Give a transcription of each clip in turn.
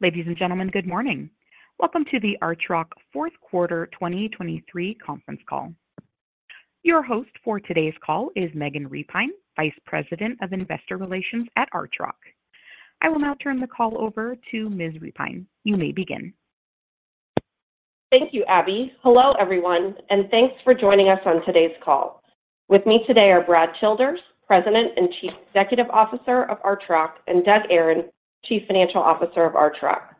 Ladies and gentlemen, good morning. Welcome to the Archrock Fourth Quarter 2023 Conference Call. Your host for today's call is Megan Repine, Vice President of Investor Relations at Archrock. I will now turn the call over to Ms. Repine. You may begin. Thank you, Abby. Hello, everyone, and thanks for joining us on today's call. With me today are Brad Childers, President and Chief Executive Officer of Archrock, and Doug Aron, Chief Financial Officer of Archrock.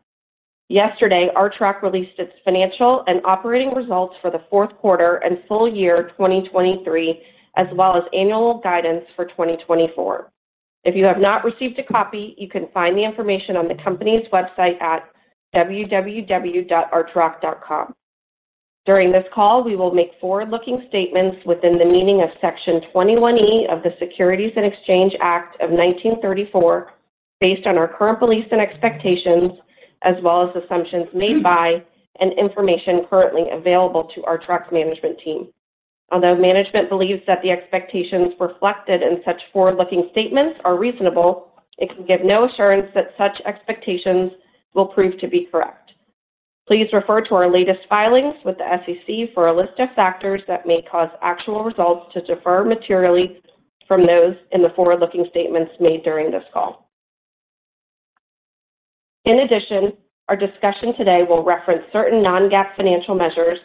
Yesterday, Archrock released its financial and operating results for the fourth quarter and full year 2023, as well as annual guidance for 2024. If you have not received a copy, you can find the information on the company's website at www.archrock.com. During this call, we will make forward-looking statements within the meaning of Section 21E of the Securities and Exchange Act of 1934, based on our current beliefs and expectations, as well as assumptions made by and information currently available to our Archrock management team. Although management believes that the expectations reflected in such forward-looking statements are reasonable, it can give no assurance that such expectations will prove to be correct. Please refer to our latest filings with the SEC for a list of factors that may cause actual results to differ materially from those in the forward-looking statements made during this call. In addition, our discussion today will reference certain non-GAAP financial measures,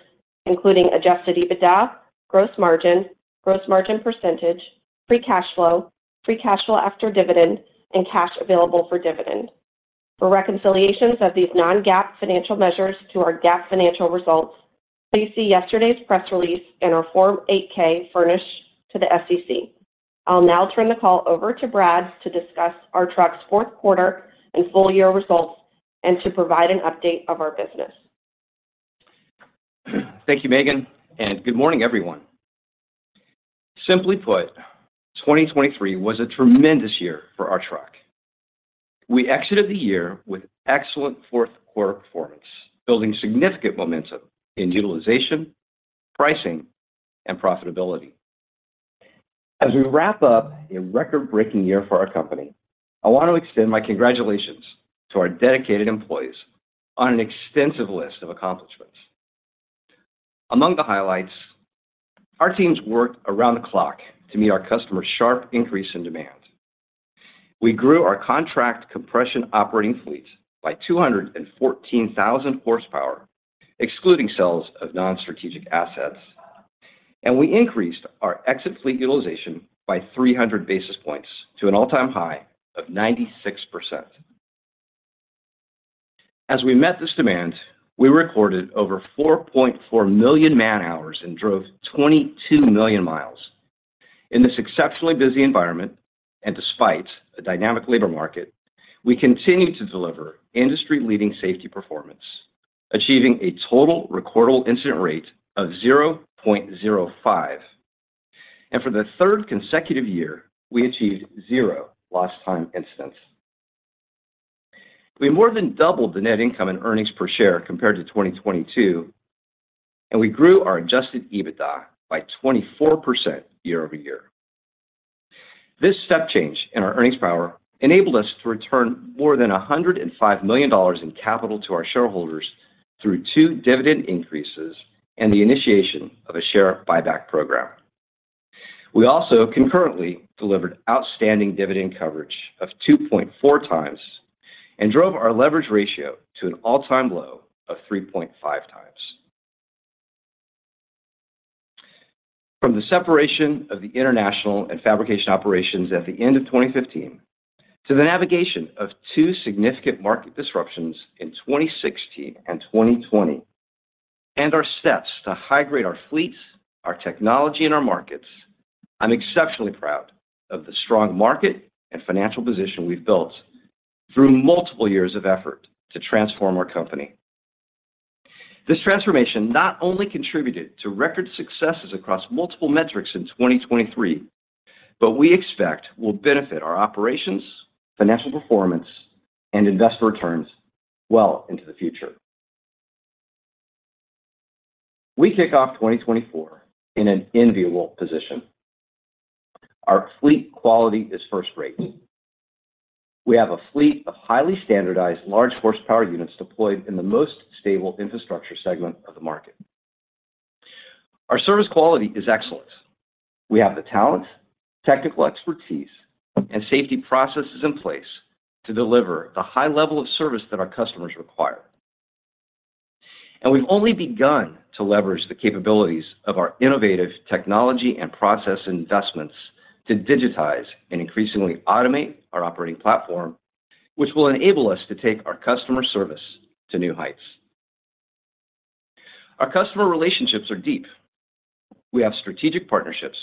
including adjusted EBITDA, gross margin, gross margin percentage, free cash flow, free cash flow after dividend, and cash available for dividend. For reconciliations of these non-GAAP financial measures to our GAAP financial results, please see yesterday's press release and our Form 8-K furnished to the SEC. I'll now turn the call over to Brad to discuss our fourth quarter and full year results and to provide an update of our business. Thank you, Megan, and good morning, everyone. Simply put, 2023 was a tremendous year for Archrock. We exited the year with excellent fourth quarter performance, building significant momentum in utilization, pricing, and profitability. As we wrap up a record-breaking year for our company, I want to extend my congratulations to our dedicated employees on an extensive list of accomplishments. Among the highlights, our teams worked around the clock to meet our customer's sharp increase in demand. We grew our contract compression operating fleet by 214,000 hp, excluding sales of non-strategic assets, and we increased our exit fleet utilization by 300 basis points to an all-time high of 96%. As we met this demand, we recorded over 4.4 million man-hours and drove 22,000,000 mi. In this exceptionally busy environment and despite a dynamic labor market, we continued to deliver industry-leading safety performance, achieving a total recordable incident rate of 0.05. For the third consecutive year, we achieved zero lost-time incidents. We more than doubled the net income and earnings per share compared to 2022, and we grew our adjusted EBITDA by 24% year-over-year. This step change in our earnings power enabled us to return more than $105 million in capital to our shareholders through two dividend increases and the initiation of a share buyback program. We also concurrently delivered outstanding dividend coverage of 2.4x and drove our leverage ratio to an all-time low of 3.5x. From the separation of the international and fabrication operations at the end of 2015 to the navigation of two significant market disruptions in 2016 and 2020, and our steps to high-grade our fleets, our technology, and our markets, I'm exceptionally proud of the strong market and financial position we've built through multiple years of effort to transform our company. This transformation not only contributed to record successes across multiple metrics in 2023, but we expect will benefit our operations, financial performance, and investor returns well into the future. We kick off 2024 in an enviable position. Our fleet quality is first-rate. We have a fleet of highly standardized large horsepower units deployed in the most stable infrastructure segment of the market. Our service quality is excellent. We have the talent, technical expertise, and safety processes in place to deliver the high level of service that our customers require. We've only begun to leverage the capabilities of our innovative technology and process investments to digitize and increasingly automate our operating platform, which will enable us to take our customer service to new heights. Our customer relationships are deep. We have strategic partnerships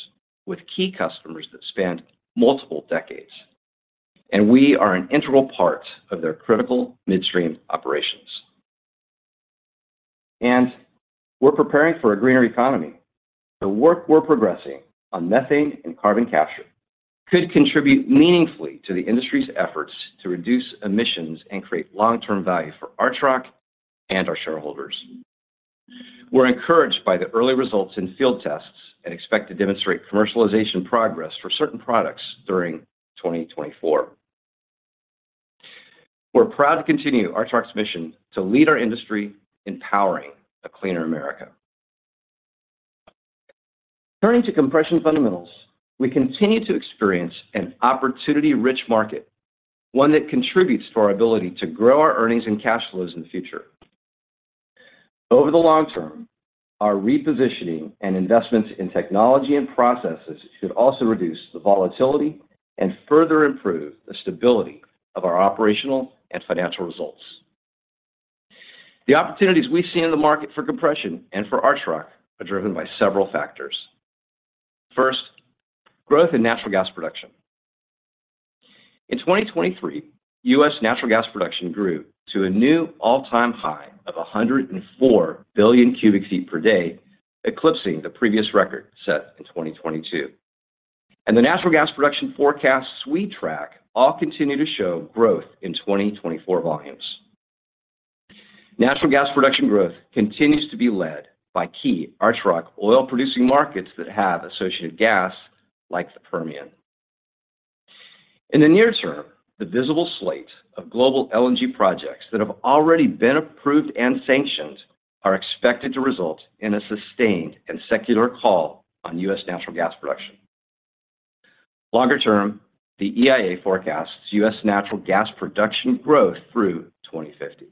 with key customers that span multiple decades, and we are an integral part of their critical midstream operations. We're preparing for a greener economy. The work we're progressing on methane and carbon capture could contribute meaningfully to the industry's efforts to reduce emissions and create long-term value for Archrock and our shareholders. We're encouraged by the early results in field tests and expect to demonstrate commercialization progress for certain products during 2024. We're proud to continue Archrock's mission to lead our industry in powering a cleaner America. Turning to compression fundamentals, we continue to experience an opportunity-rich market, one that contributes to our ability to grow our earnings and cash flows in the future. Over the long term, our repositioning and investments in technology and processes should also reduce the volatility and further improve the stability of our operational and financial results. The opportunities we see in the market for compression and for Archrock are driven by several factors. First, growth in natural gas production. In 2023, U.S. natural gas production grew to a new all-time high of 104 billion cubic feet per day, eclipsing the previous record set in 2022. The natural gas production forecasts we track all continue to show growth in 2024 volumes. Natural gas production growth continues to be led by key Archrock oil-producing markets that have associated gas like the Permian. In the near term, the visible slate of global LNG projects that have already been approved and sanctioned are expected to result in a sustained and secular call on U.S. natural gas production. Longer term, the EIA forecasts U.S. natural gas production growth through 2050.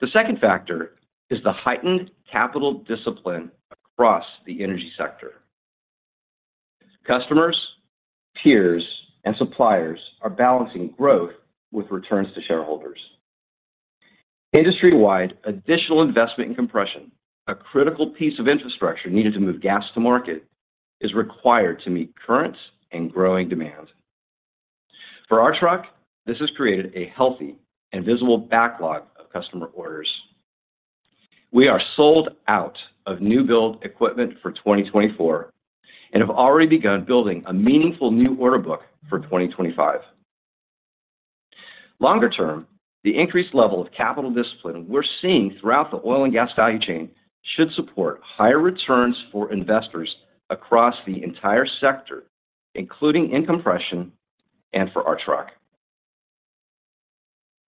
The second factor is the heightened capital discipline across the energy sector. Customers, peers, and suppliers are balancing growth with returns to shareholders. Industry-wide, additional investment in compression, a critical piece of infrastructure needed to move gas to market, is required to meet current and growing demand. For Archrock, this has created a healthy and visible backlog of customer orders. We are sold out of new-build equipment for 2024 and have already begun building a meaningful new order book for 2025. Longer term, the increased level of capital discipline we're seeing throughout the oil and gas value chain should support higher returns for investors across the entire sector, including in compression and for Archrock.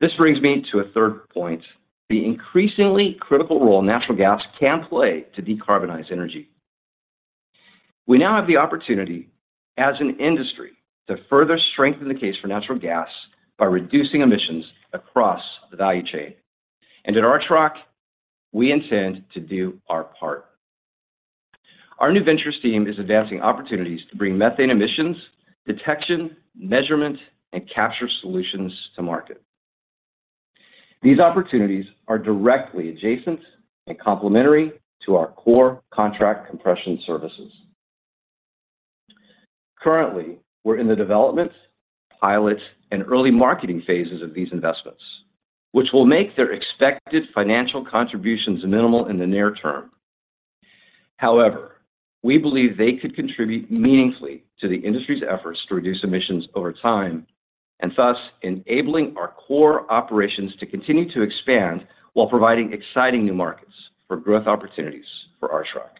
This brings me to a third point: the increasingly critical role natural gas can play to decarbonize energy. We now have the opportunity, as an industry, to further strengthen the case for natural gas by reducing emissions across the value chain. At Archrock, we intend to do our part. Our new ventures team is advancing opportunities to bring methane emissions detection, measurement, and capture solutions to market. These opportunities are directly adjacent and complementary to our core contract compression services. Currently, we're in the development, pilot, and early marketing phases of these investments, which will make their expected financial contributions minimal in the near term. However, we believe they could contribute meaningfully to the industry's efforts to reduce emissions over time and thus enabling our core operations to continue to expand while providing exciting new markets for growth opportunities for Archrock.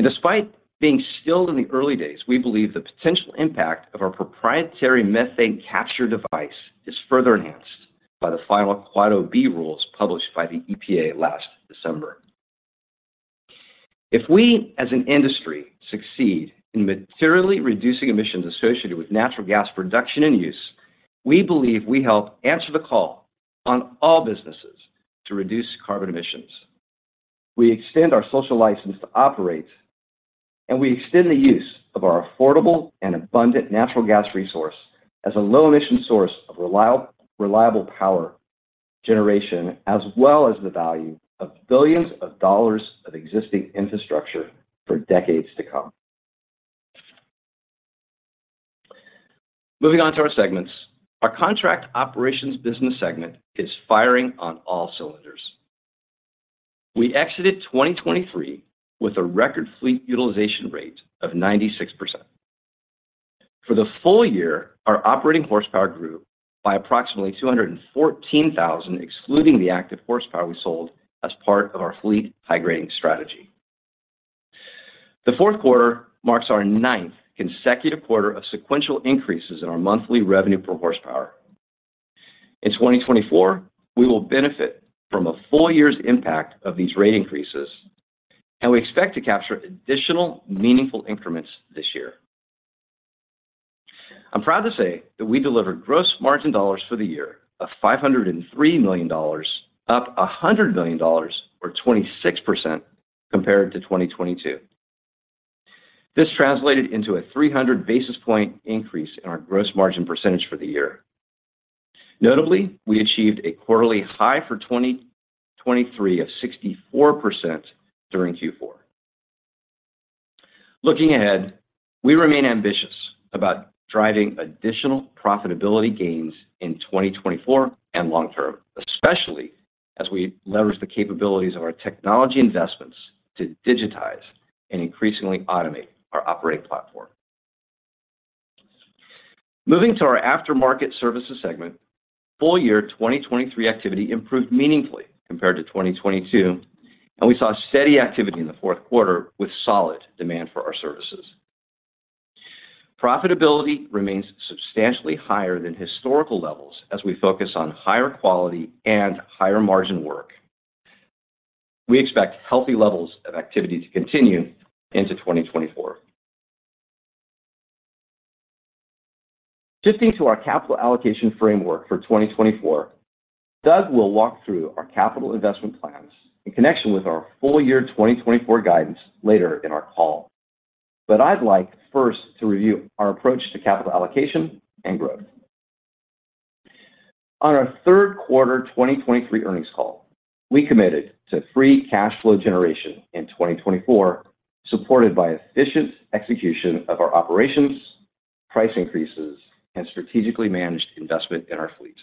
Despite being still in the early days, we believe the potential impact of our proprietary methane capture device is further enhanced by the final Quad Ob rules published by the EPA last December. If we, as an industry, succeed in materially reducing emissions associated with natural gas production and use, we believe we help answer the call on all businesses to reduce carbon emissions. We extend our social license to operate, and we extend the use of our affordable and abundant natural gas resource as a low-emission source of reliable power generation, as well as the value of billions of dollars of existing infrastructure for decades to come. Moving on to our segments, our contract operations business segment is firing on all cylinders. We exited 2023 with a record fleet utilization rate of 96%. For the full year, our operating horsepower grew by approximately 214,000, excluding the active horsepower we sold as part of our fleet high-grading strategy. The fourth quarter marks our ninth consecutive quarter of sequential increases in our monthly revenue per horsepower. In 2024, we will benefit from a full year's impact of these rate increases, and we expect to capture additional meaningful increments this year. I'm proud to say that we delivered gross margin dollars for the year of $503 million, up $100 million, or 26% compared to 2022. This translated into a 300 basis point increase in our gross margin percentage for the year. Notably, we achieved a quarterly high for 2023 of 64% during Q4. Looking ahead, we remain ambitious about driving additional profitability gains in 2024 and long term, especially as we leverage the capabilities of our technology investments to digitize and increasingly automate our operating platform. Moving to our aftermarket services segment, full year 2023 activity improved meaningfully compared to 2022, and we saw steady activity in the fourth quarter with solid demand for our services. Profitability remains substantially higher than historical levels as we focus on higher quality and higher margin work. We expect healthy levels of activity to continue into 2024. Shifting to our capital allocation framework for 2024, Doug will walk through our capital investment plans in connection with our full year 2024 guidance later in our call. I'd like first to review our approach to capital allocation and growth. On our third quarter 2023 earnings call, we committed to free cash flow generation in 2024, supported by efficient execution of our operations, price increases, and strategically managed investment in our fleets.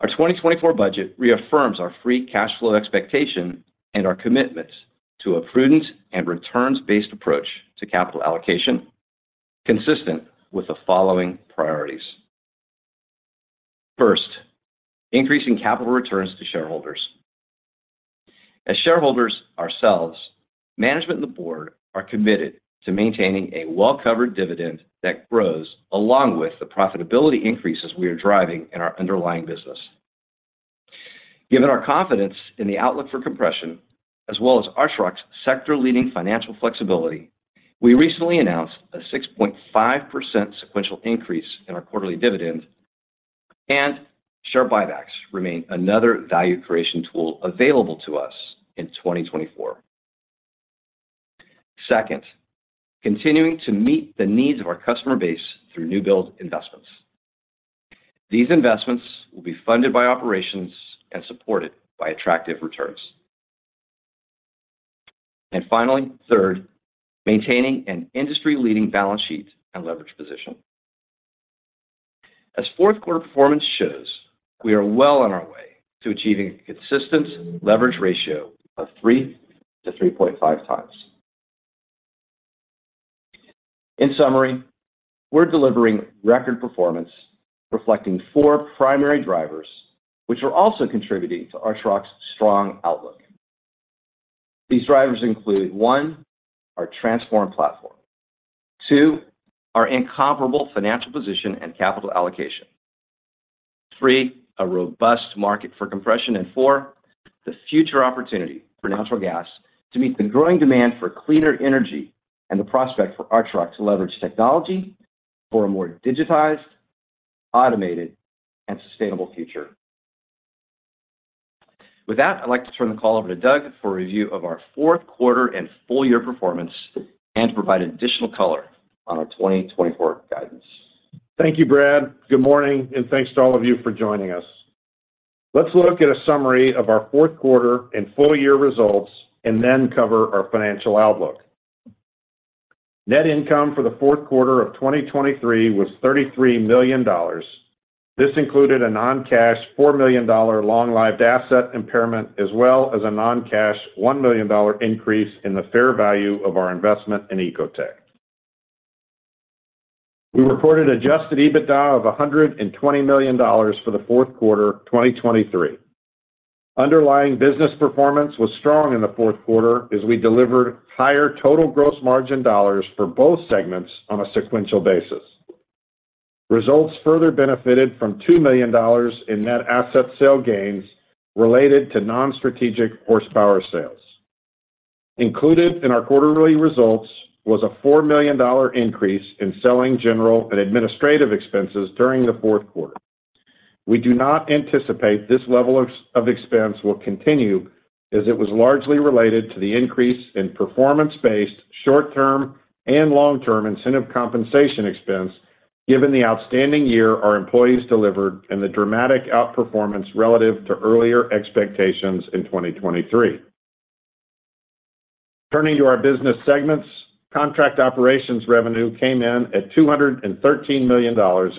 Our 2024 budget reaffirms our free cash flow expectation and our commitment to a prudent and returns-based approach to capital allocation, consistent with the following priorities. First, increasing capital returns to shareholders. As shareholders ourselves, management and the board are committed to maintaining a well-covered dividend that grows along with the profitability increases we are driving in our underlying business. Given our confidence in the outlook for compression, as well as Archrock's sector-leading financial flexibility, we recently announced a 6.5% sequential increase in our quarterly dividend, and share buybacks remain another value creation tool available to us in 2024. Second, continuing to meet the needs of our customer base through new-build investments. These investments will be funded by operations and supported by attractive returns. And finally, third, maintaining an industry-leading balance sheet and leverage position. As fourth quarter performance shows, we are well on our way to achieving a consistent leverage ratio of 3-3.5x. In summary, we're delivering record performance, reflecting four primary drivers, which are also contributing to Archrock's strong outlook. These drivers include, one, our transformed platform, two, our incomparable financial position and capital allocation, three, a robust market for compression, and four, the future opportunity for natural gas to meet the growing demand for cleaner energy and the prospect for Archrock to leverage technology for a more digitized, automated, and sustainable future. With that, I'd like to turn the call over to Doug for a review of our fourth quarter and full year performance and to provide additional color on our 2024 guidance. Thank you, Brad. Good morning, and thanks to all of you for joining us. Let's look at a summary of our fourth quarter and full year results and then cover our financial outlook. Net income for the fourth quarter of 2023 was $33 million. This included a non-cash $4 million long-lived asset impairment, as well as a non-cash $1 million increase in the fair value of our investment in Ecotec. We reported adjusted EBITDA of $120 million for the fourth quarter 2023. Underlying business performance was strong in the fourth quarter as we delivered higher total gross margin dollars for both segments on a sequential basis. Results further benefited from $2 million in net asset sale gains related to non-strategic horsepower sales. Included in our quarterly results was a $4 million increase in selling general and administrative expenses during the fourth quarter. We do not anticipate this level of expense will continue, as it was largely related to the increase in performance-based short-term and long-term incentive compensation expense, given the outstanding year our employees delivered and the dramatic outperformance relative to earlier expectations in 2023. Turning to our business segments, contract operations revenue came in at $213 million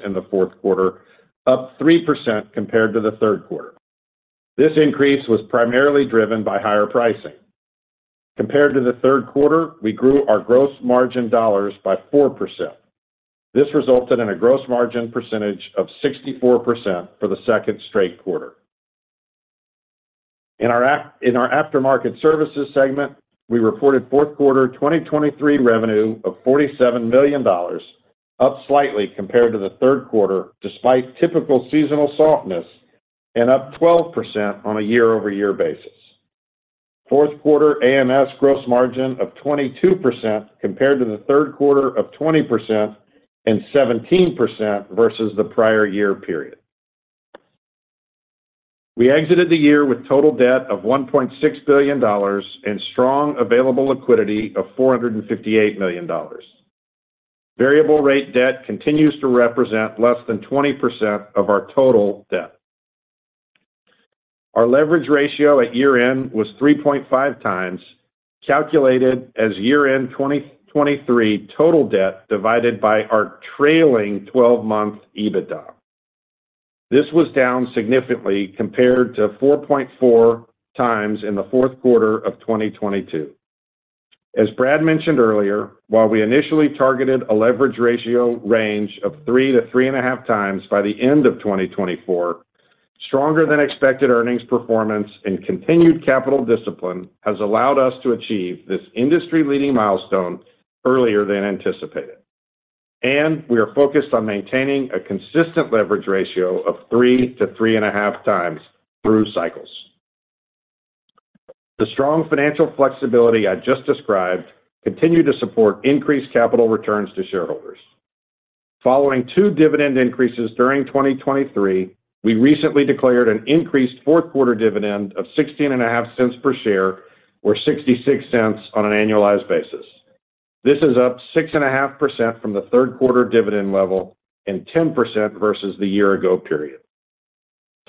in the fourth quarter, up 3% compared to the third quarter. This increase was primarily driven by higher pricing. Compared to the third quarter, we grew our gross margin dollars by 4%. This resulted in a gross margin percentage of 64% for the second straight quarter. In our aftermarket services segment, we reported fourth quarter 2023 revenue of $47 million, up slightly compared to the third quarter despite typical seasonal softness and up 12% on a year-over-year basis. Fourth quarter AMS gross margin of 22% compared to the third quarter of 20% and 17% versus the prior year period. We exited the year with total debt of $1.6 billion and strong available liquidity of $458 million. Variable rate debt continues to represent less than 20% of our total debt. Our leverage ratio at year-end was 3.5x, calculated as year-end 2023 total debt divided by our trailing 12-month EBITDA. This was down significantly compared to 4.4x in the fourth quarter of 2022. As Brad mentioned earlier, while we initially targeted a leverage ratio range of 3x to 3.5x by the end of 2024, stronger than expected earnings performance and continued capital discipline has allowed us to achieve this industry-leading milestone earlier than anticipated. We are focused on maintaining a consistent leverage ratio of 3x to 3.5x through cycles. The strong financial flexibility I just described continued to support increased capital returns to shareholders. Following two dividend increases during 2023, we recently declared an increased fourth quarter dividend of $0.165 per share, or $0.66, on an annualized basis. This is up 6.5% from the third quarter dividend level and 10% versus the year-ago period.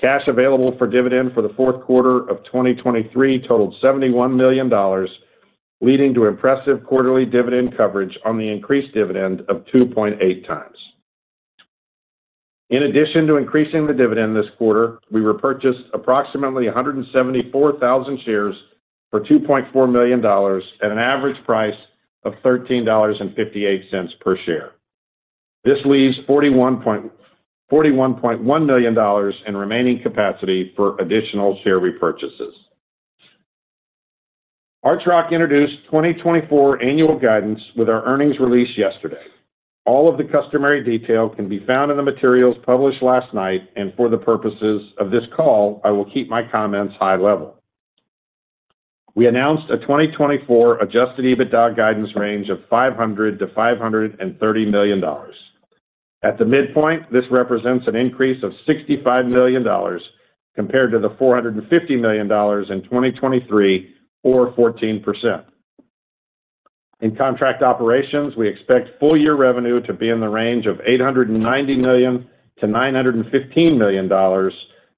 Cash available for dividend for the fourth quarter of 2023 totaled $71 million, leading to impressive quarterly dividend coverage on the increased dividend of 2.8x. In addition to increasing the dividend this quarter, we repurchased approximately 174,000 shares for $2.4 million at an average price of $13.58 per share. This leaves $41.1 million in remaining capacity for additional share repurchases. Archrock introduced 2024 annual guidance with our earnings release yesterday. All of the customary detail can be found in the materials published last night, and for the purposes of this call, I will keep my comments high level. We announced a 2024 Adjusted EBITDA guidance range of $500-$530 million. At the midpoint, this represents an increase of $65 million compared to the $450 million in 2023, or 14%. In contract operations, we expect full-year revenue to be in the range of $890-$915 million,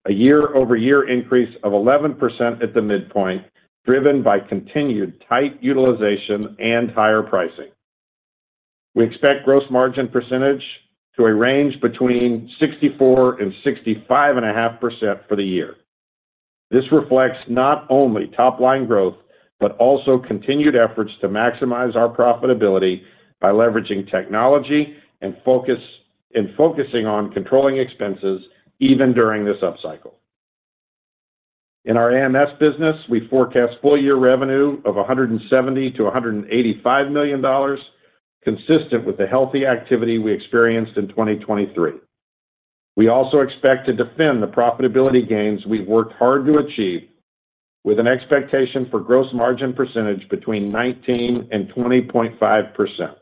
a year-over-year increase of 11% at the midpoint driven by continued tight utilization and higher pricing. We expect gross margin percentage to a range between 64%-65.5% for the year. This reflects not only top-line growth but also continued efforts to maximize our profitability by leveraging technology and focusing on controlling expenses even during this upcycle. In our AMS business, we forecast full year revenue of $170-$185 million, consistent with the healthy activity we experienced in 2023. We also expect to defend the profitability gains we've worked hard to achieve with an expectation for gross margin percentage between 19%-20.5%.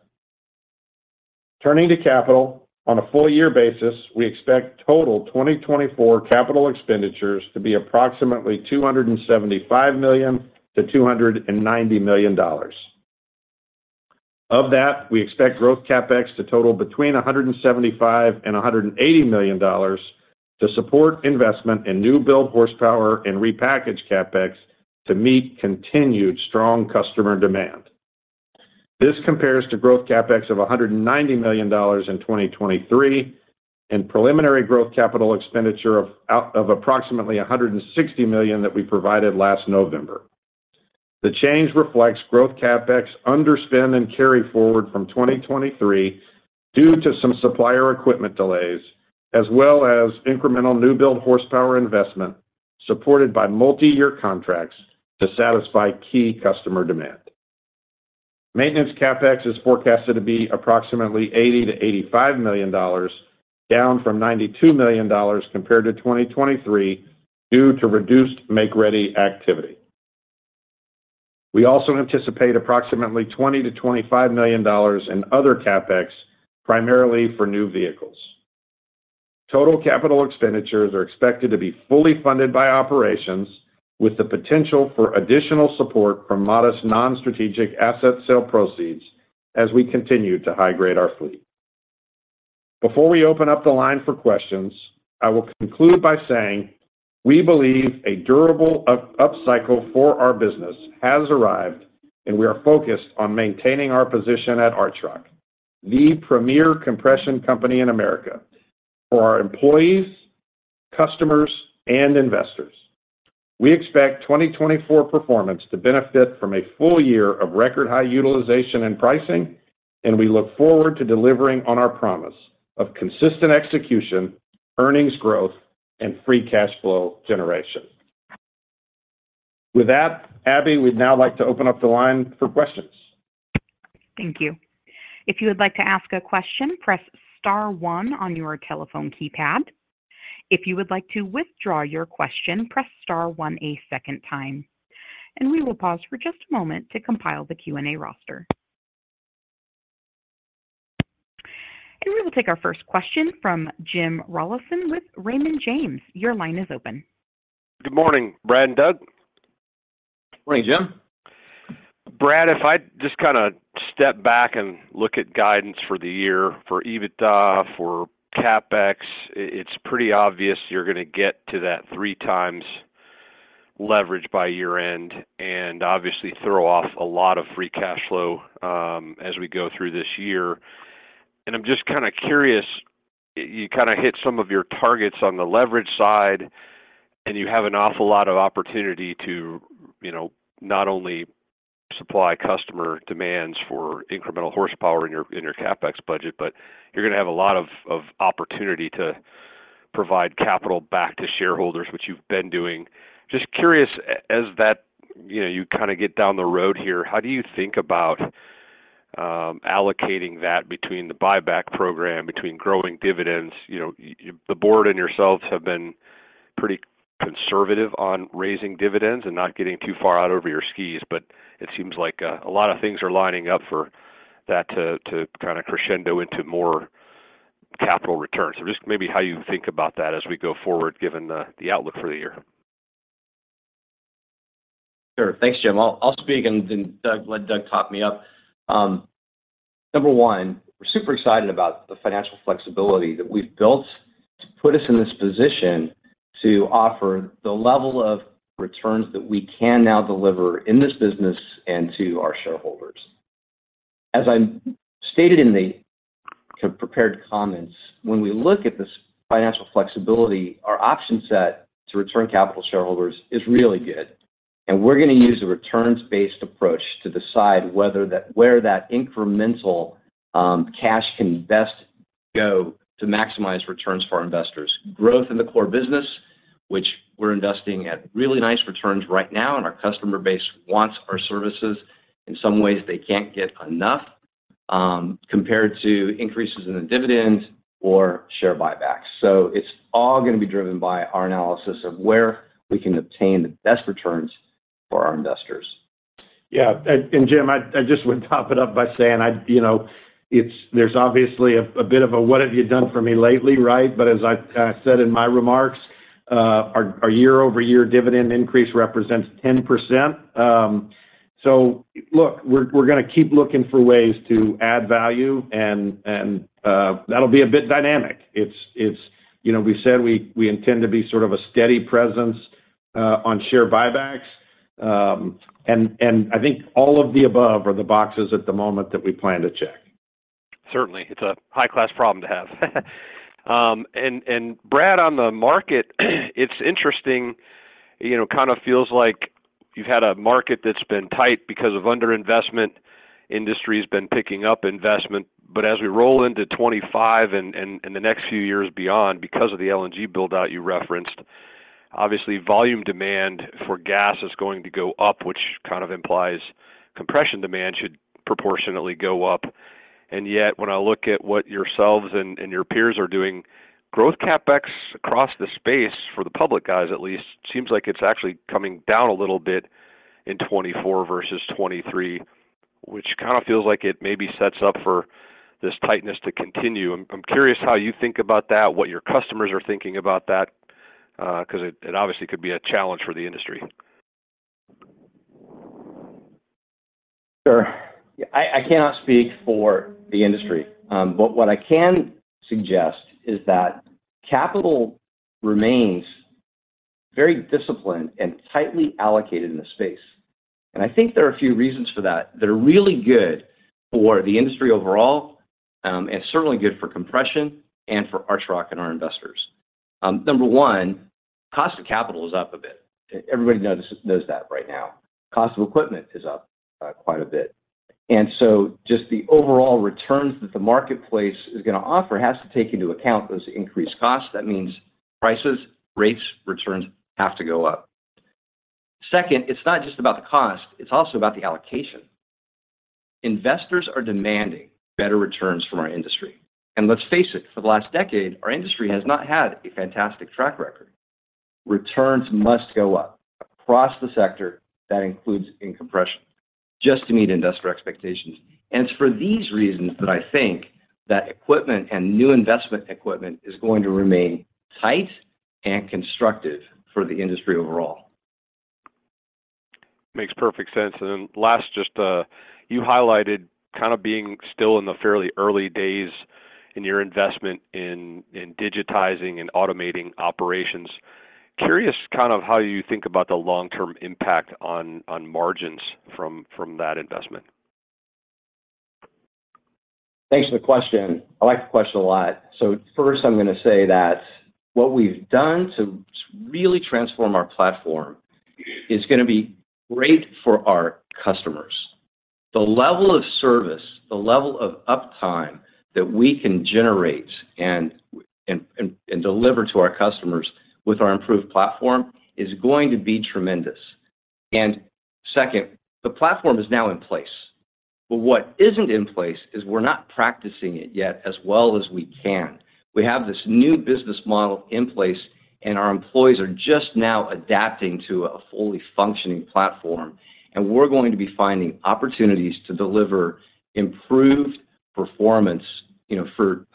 Turning to capital, on a full year basis, we expect total 2024 capital expenditures to be approximately $275-$290 million. Of that, we expect growth CapEx to total between $175 and $180 million to support investment in new-build horsepower and repackaged CapEx to meet continued strong customer demand. This compares to growth CapEx of $190 million in 2023 and preliminary growth capital expenditure of approximately $160 million that we provided last November. The change reflects growth CapEx underspend and carry forward from 2023 due to some supplier equipment delays, as well as incremental new-build horsepower investment supported by multi-year contracts to satisfy key customer demand. Maintenance CapEx is forecasted to be approximately $80-$85 million, down from $92 million compared to 2023 due to reduced make-ready activity. We also anticipate approximately $20-$25 million in other CapEx, primarily for new vehicles. Total capital expenditures are expected to be fully funded by operations, with the potential for additional support from modest non-strategic asset sale proceeds as we continue to high-grade our fleet. Before we open up the line for questions, I will conclude by saying we believe a durable upcycle for our business has arrived, and we are focused on maintaining our position at Archrock, the premier compression company in America, for our employees, customers, and investors. We expect 2024 performance to benefit from a full year of record high utilization and pricing, and we look forward to delivering on our promise of consistent execution, earnings growth, and free cash flow generation. With that, Abby, we'd now like to open up the line for questions. Thank you. If you would like to ask a question, press star one on your telephone keypad. If you would like to withdraw your question, press star one a second time. We will pause for just a moment to compile the Q&A roster. We will take our first question from Jim Rollyson with Raymond James. Your line is open. Good morning, Brad and Doug. Morning, Jim. Brad, if I just kind of step back and look at guidance for the year for EBITDA, for CapEx, it's pretty obvious you're going to get to that 3x leverage by year-end and obviously throw off a lot of free cash flow as we go through this year. I'm just kind of curious. You kind of hit some of your targets on the leverage side, and you have an awful lot of opportunity to not only supply customer demands for incremental horsepower in your CapEx budget, but you're going to have a lot of opportunity to provide capital back to shareholders, which you've been doing. Just curious, as you kind of get down the road here, how do you think about allocating that between the buyback program, between growing dividends? The board and yourselves have been pretty conservative on raising dividends and not getting too far out over your skis, but it seems like a lot of things are lining up for that to kind of crescendo into more capital returns. So just maybe how you think about that as we go forward, given the outlook for the year. Sure. Thanks, Jim. I'll speak, and then let Doug top me up. Number one, we're super excited about the financial flexibility that we've built to put us in this position to offer the level of returns that we can now deliver in this business and to our shareholders. As I stated in the prepared comments, when we look at this financial flexibility, our option set to return capital to shareholders is really good. We're going to use a returns-based approach to decide where that incremental cash can best go to maximize returns for our investors. Growth in the core business, which we're investing at really nice returns right now, and our customer base wants our services. In some ways, they can't get enough compared to increases in the dividends or share buybacks. So it's all going to be driven by our analysis of where we can obtain the best returns for our investors. Yeah. And Jim, I just would top it up by saying there's obviously a bit of a, "What have you done for me lately?" Right? But as I said in my remarks, our year-over-year dividend increase represents 10%. So look, we're going to keep looking for ways to add value, and that'll be a bit dynamic. We said we intend to be sort of a steady presence on share buybacks. And I think all of the above are the boxes at the moment that we plan to check. Certainly. It's a high-class problem to have. And Brad, on the market, it's interesting. It kind of feels like you've had a market that's been tight because of underinvestment. Industry's been picking up investment. But as we roll into 2025 and the next few years beyond, because of the LNG buildout you referenced, obviously, volume demand for gas is going to go up, which kind of implies compression demand should proportionately go up. And yet, when I look at what yourselves and your peers are doing, growth CapEx across the space, for the public guys at least, seems like it's actually coming down a little bit in 2024 versus 2023, which kind of feels like it maybe sets up for this tightness to continue. I'm curious how you think about that, what your customers are thinking about that, because it obviously could be a challenge for the industry. Sure. I cannot speak for the industry. But what I can suggest is that capital remains very disciplined and tightly allocated in the space. And I think there are a few reasons for that. They're really good for the industry overall and certainly good for compression and for Archrock and our investors. Number one, cost of capital is up a bit. Everybody knows that right now. Cost of equipment is up quite a bit. And so just the overall returns that the marketplace is going to offer has to take into account those increased costs. That means prices, rates, returns have to go up. Second, it's not just about the cost. It's also about the allocation. Investors are demanding better returns from our industry. And let's face it, for the last decade, our industry has not had a fantastic track record. Returns must go up across the sector. That includes in compression, just to meet industrial expectations. And it's for these reasons that I think that equipment and new investment equipment is going to remain tight and constructive for the industry overall. Makes perfect sense. And then last, just you highlighted kind of being still in the fairly early days in your investment in digitizing and automating operations. Curious kind of how you think about the long-term impact on margins from that investment. Thanks for the question. I like the question a lot. So first, I'm going to say that what we've done to really transform our platform is going to be great for our customers. The level of service, the level of uptime that we can generate and deliver to our customers with our improved platform is going to be tremendous. And second, the platform is now in place. But what isn't in place is we're not practicing it yet as well as we can. We have this new business model in place, and our employees are just now adapting to a fully functioning platform. And we're going to be finding opportunities to deliver improved performance,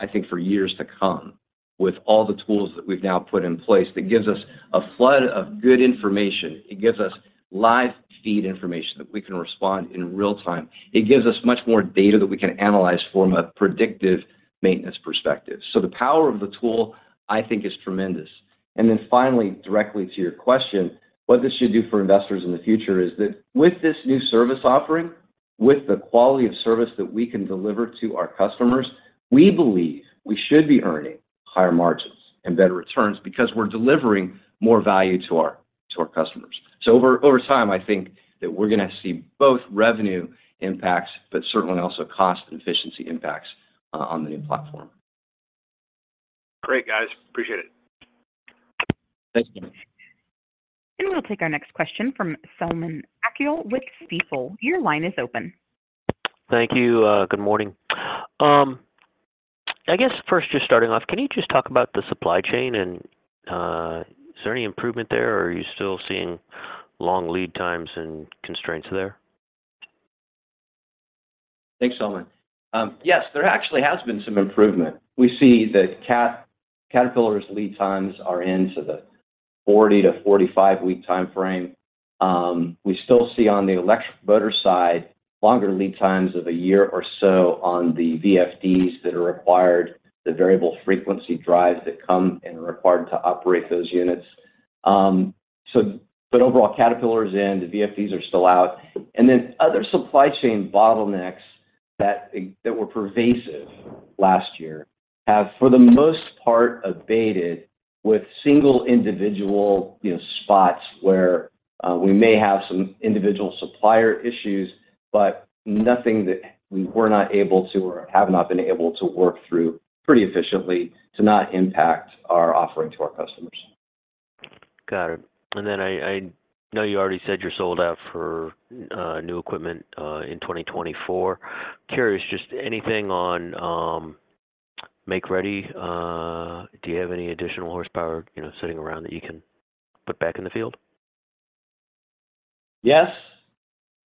I think, for years to come with all the tools that we've now put in place. That gives us a flood of good information. It gives us live feed information that we can respond in real time. It gives us much more data that we can analyze from a predictive maintenance perspective. So the power of the tool, I think, is tremendous. And then finally, directly to your question, what this should do for investors in the future is that with this new service offering, with the quality of service that we can deliver to our customers, we believe we should be earning higher margins and better returns because we're delivering more value to our customers. So over time, I think that we're going to see both revenue impacts but certainly also cost and efficiency impacts on the new platform. Great, guys. Appreciate it. Thanks, Jim. And we'll take our next question from Selman Akyol with Stifel. Your line is open. Thank you. Good morning. I guess first, just starting off, can you just talk about the supply chain? And is there any improvement there, or are you still seeing long lead times and constraints there? Thanks, Selman. Yes, there actually has been some improvement. We see that Caterpillar's lead times are into the 40 to 45-week time frame. We still see on the electric motor side longer lead times of a year or so on the VFDs that are required, the variable frequency drives that come and are required to operate those units. But overall, Caterpillar is in. The VFDs are still out. And then other supply chain bottlenecks that were pervasive last year have, for the most part, abated with single individual spots where we may have some individual supplier issues but nothing that we were not able to or have not been able to work through pretty efficiently to not impact our offering to our customers. Got it. And then I know you already said you're sold out for new equipment in 2024. Curious, just anything on make-ready? Do you have any additional horsepower sitting around that you can put back in the field? Yes.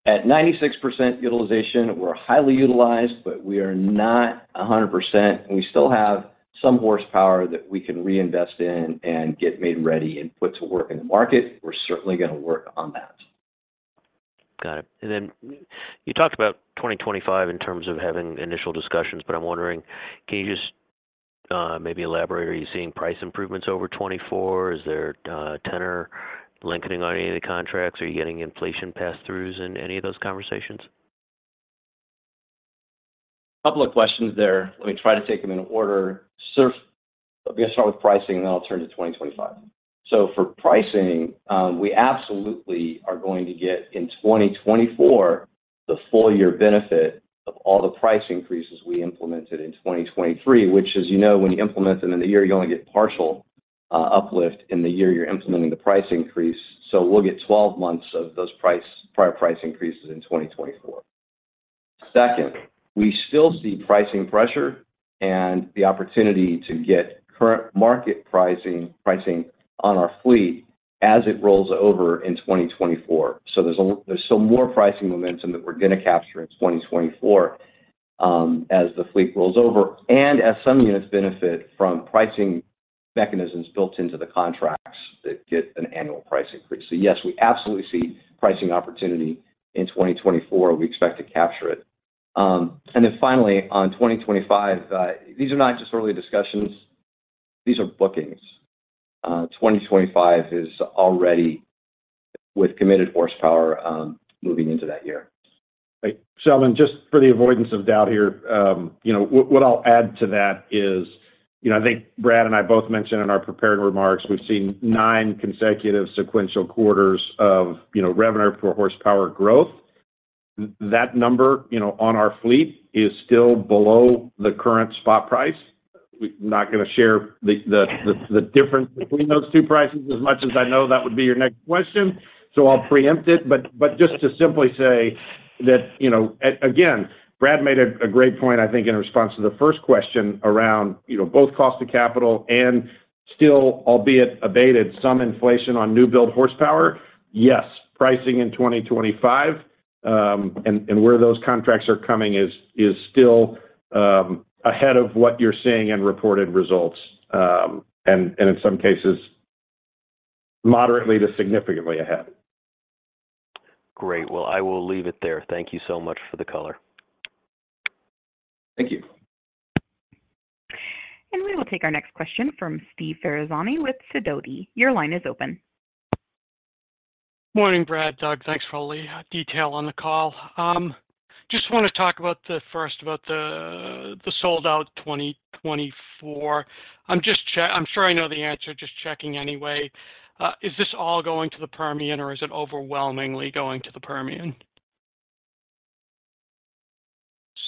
At 96% utilization, we're highly utilized, but we are not 100%. We still have some horsepower that we can reinvest in and get made ready and put to work in the market. We're certainly going to work on that. Got it. And then you talked about 2025 in terms of having initial discussions, but I'm wondering, can you just maybe elaborate? Are you seeing price improvements over 2024? Is there tenor lengthening on any of the contracts? Are you getting inflation pass-throughs in any of those conversations? A couple of questions there. Let me try to take them in order. I'm going to start with pricing, and then I'll turn to 2025. So for pricing, we absolutely are going to get in 2024 the full-year benefit of all the price increases we implemented in 2023, which as you know, when you implement them in the year, you only get partial uplift in the year you're implementing the price increase. So we'll get 12 months of those prior price increases in 2024. Second, we still see pricing pressure and the opportunity to get current market pricing on our fleet as it rolls over in 2024. So there's still more pricing momentum that we're going to capture in 2024 as the fleet rolls over and as some units benefit from pricing mechanisms built into the contracts that get an annual price increase. So yes, we absolutely see pricing opportunity in 2024. We expect to capture it. And then finally, on 2025, these are not just early discussions. These are bookings. 2025 is already with committed horsepower moving into that year. Hey, Selman, just for the avoidance of doubt here, what I'll add to that is I think Brad and I both mentioned in our prepared remarks, we've seen nine consecutive sequential quarters of revenue per horsepower growth. That number on our fleet is still below the current spot price. I'm not going to share the difference between those two prices as much as I know that would be your next question, so I'll preempt it. But just to simply say that again, Brad made a great point, I think, in response to the first question around both cost of capital and still, albeit abated, some inflation on new-build horsepower. Yes, pricing in 2025 and where those contracts are coming is still ahead of what you're seeing in reported results and in some cases, moderately to significantly ahead. Great. Well, I will leave it there. Thank you so much for the color. Thank you. And we will take our next question from Steve Ferazani with Sidoti. Your line is open. Morning, Brad. Doug, thanks for all the detail on the call. Just want to talk about the first, about the sold-out 2024. I'm sure I know the answer. Just checking anyway. Is this all going to the Permian, or is it overwhelmingly going to the Permian?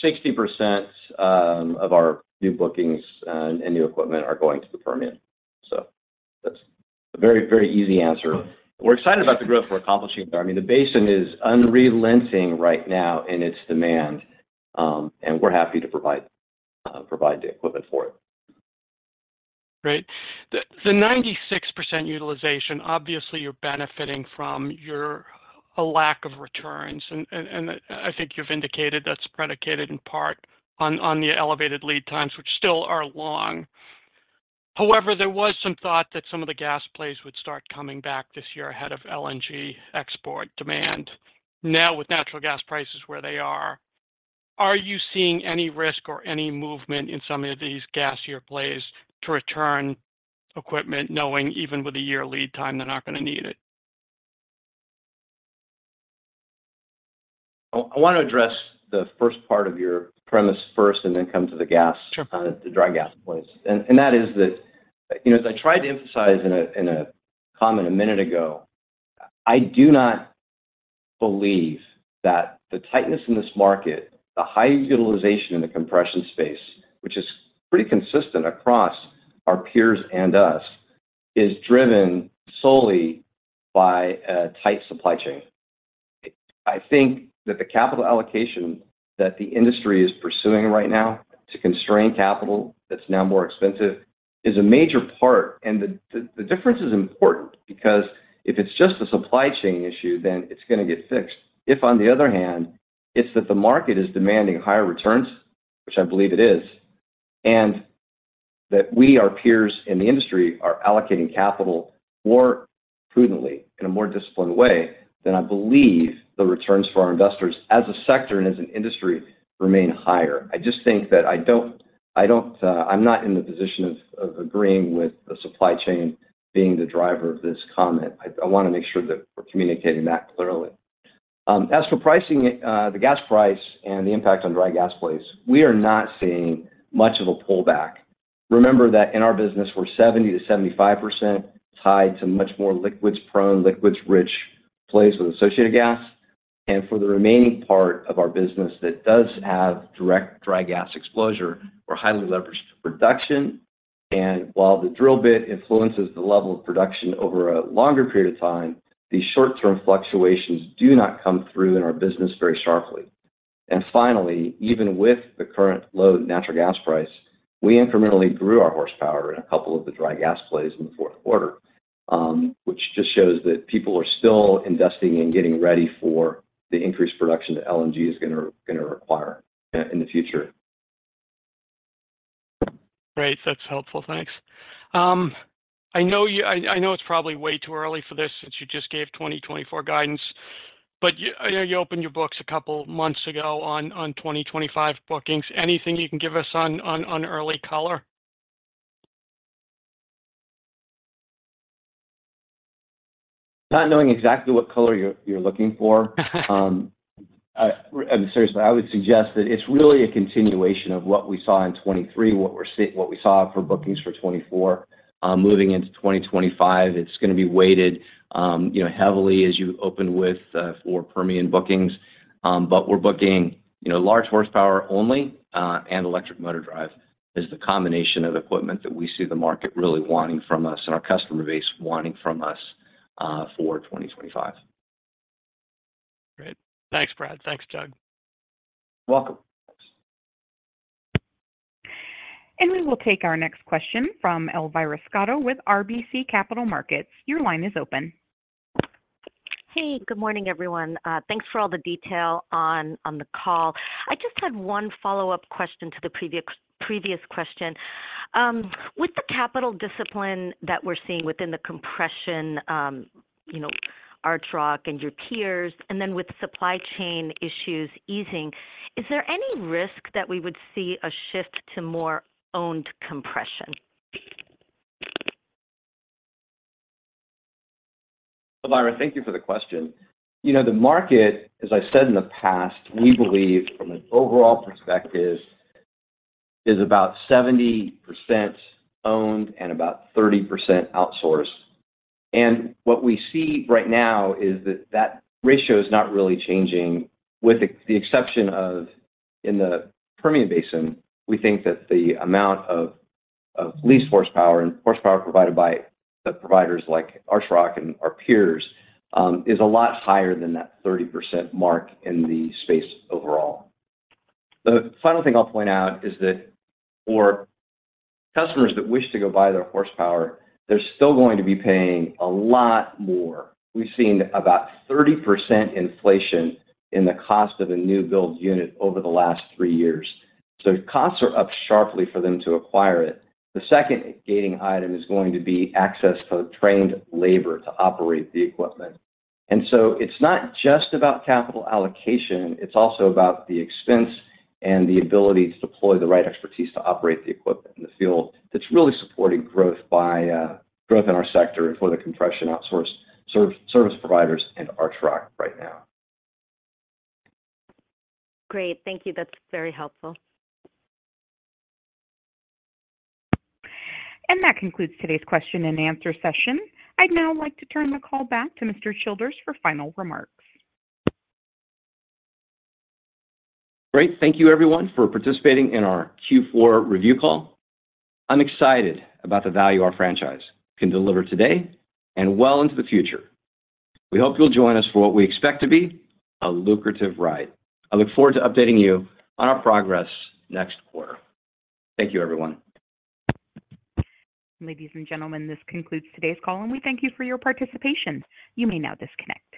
60% of our new bookings and new equipment are going to the Permian. So that's a very, very easy answer. We're excited about the growth we're accomplishing there. I mean, the basin is unrelenting right now in its demand, and we're happy to provide the equipment for it. Great. The 96% utilization, obviously, you're benefiting from a lack of returns. And I think you've indicated that's predicated in part on the elevated lead times, which still are long. However, there was some thought that some of the gas plays would start coming back this year ahead of LNG export demand. Now, with natural gas prices where they are, are you seeing any risk or any movement in some of these gassier plays to return equipment knowing even with a year lead time, they're not going to need it? I want to address the first part of your premise first and then come to the dry gas plays. And that is that as I tried to emphasize in a comment a minute ago, I do not believe that the tightness in this market, the high utilization in the compression space, which is pretty consistent across our peers and us, is driven solely by a tight supply chain. I think that the capital allocation that the industry is pursuing right now to constrain capital that's now more expensive is a major part. And the difference is important because if it's just a supply chain issue, then it's going to get fixed. If, on the other hand, it's that the market is demanding higher returns, which I believe it is, and that we, our peers in the industry, are allocating capital more prudently in a more disciplined way, then I believe the returns for our investors as a sector and as an industry remain higher. I just think that I don't, I'm not in the position of agreeing with the supply chain being the driver of this comment. I want to make sure that we're communicating that clearly. As for pricing, the gas price and the impact on dry gas plays, we are not seeing much of a pullback. Remember that in our business, we're 70%-75% tied to much more liquids-prone, liquids-rich plays with associated gas. And for the remaining part of our business that does have direct dry gas exposure, we're highly leveraged to production. While the drill bit influences the level of production over a longer period of time, these short-term fluctuations do not come through in our business very sharply. And finally, even with the current low natural gas price, we incrementally grew our horsepower in a couple of the dry gas plays in the fourth quarter, which just shows that people are still investing in getting ready for the increased production that LNG is going to require in the future. Great. That's helpful. Thanks. I know it's probably way too early for this since you just gave 2024 guidance, but you opened your books a couple of months ago on 2025 bookings. Anything you can give us on early color? Not knowing exactly what color you're looking for. Seriously, I would suggest that it's really a continuation of what we saw in 2023, what we saw for bookings for 2024. Moving into 2025, it's going to be weighted heavily as you open with for Permian bookings. But we're booking large horsepower only, and electric motor drive is the combination of equipment that we see the market really wanting from us and our customer base wanting from us for 2025. Great. Thanks, Brad. Thanks, Doug. Welcome. And we will take our next question from Elvira Scotto with RBC Capital Markets. Your line is open. Hey. Good morning, everyone. Thanks for all the detail on the call. I just had one follow-up question to the previous question. With the capital discipline that we're seeing within the compression, Archrock and your peers, and then with supply chain issues easing, is there any risk that we would see a shift to more owned compression? Elvira, thank you for the question. The market, as I said in the past, we believe from an overall perspective, is about 70% owned and about 30% outsourced. And what we see right now is that that ratio is not really changing, with the exception of in the Permian Basin, we think that the amount of leased horsepower and horsepower provided by the providers like Archrock and our peers is a lot higher than that 30% mark in the space overall. The final thing I'll point out is that for customers that wish to go buy their horsepower, they're still going to be paying a lot more. We've seen about 30% inflation in the cost of a new-build unit over the last three years. So costs are up sharply for them to acquire it. The second gating item is going to be access to trained labor to operate the equipment. And so it's not just about capital allocation. It's also about the expense and the ability to deploy the right expertise to operate the equipment in the field that's really supporting growth in our sector and for the compression outsource service providers and Archrock right now. Great. Thank you. That's very helpful. And that concludes today's question and answer session. I'd now like to turn the call back to Mr. Childers for final remarks. Great. Thank you, everyone, for participating in our Q4 review call. I'm excited about the value our franchise can deliver today and well into the future. We hope you'll join us for what we expect to be a lucrative ride. I look forward to updating you on our progress next quarter. Thank you, everyone. Ladies and gentlemen, this concludes today's call, and we thank you for your participation. You may now disconnect.